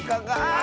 あ！